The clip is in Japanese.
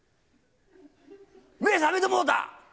目覚めてもうた。